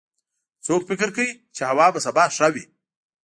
څوک فکر کوي چې هوا به سبا ښه وي